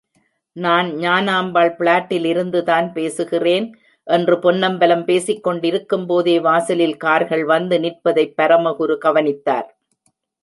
நான் ஞானாம்பாள் பிளாட்டிலிருந்துதான் பேசுகிறேன், என்று பொன்னம்பலம் பேசிக் கொண்டிருக்கும்போதே வாசலில் கார்கள் வந்து நிற்பதைப் பரமகுரு கவனித்தார்.